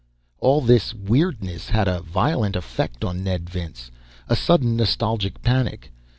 All this weirdness had a violent effect on Ned Vince a sudden, nostalgic panic.